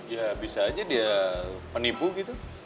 ya bisa aja dia penipu gitu